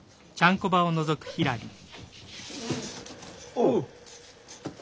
おう。